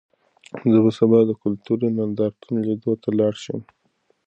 زه به سبا د کلتوري نندارتون لیدو ته لاړ شم.